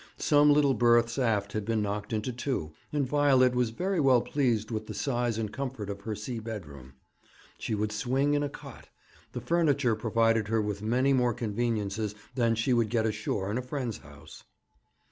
Some little berths aft had been knocked into two, and Violet was very well pleased with the size and comfort of her sea bedroom. She would swing in a cot; the furniture provided her with many more conveniences than she would get ashore in a friend's house.